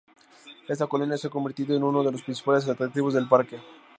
Esta colonia se ha convertido en uno de los principales atractivos del parque.